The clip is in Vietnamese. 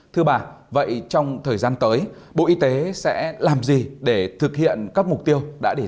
thưa bà vậy trong thời gian tới bộ y tế sẽ làm gì để thực hiện các mục tiêu đã đề ra